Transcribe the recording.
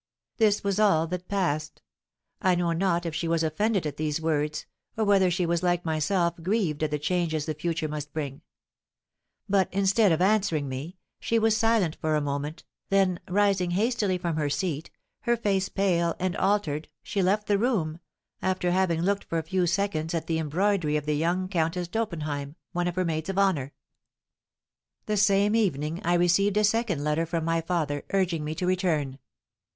This was all that passed; I know not if she was offended at these words, or whether she was like myself grieved at the changes the future must bring; but, instead of answering me, she was silent for a moment, then, rising hastily from her seat, her face pale and altered, she left the room, after having looked for a few seconds at the embroidery of the young Countess d'Oppenheim, one of her maids of honour. The same evening I received a second letter from my father, urging me to return.